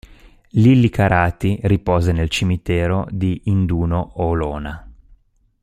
Lilli Carati riposa nel cimitero di Induno Olona.